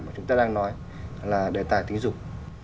mà chúng ta đang nói là đề tài tín dụng